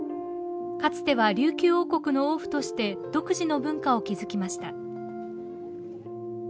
かつては琉球王国の王府として独自の文化を築きました。